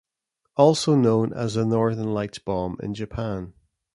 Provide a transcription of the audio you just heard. Also known as the "Northern Lights Bomb" in Japan.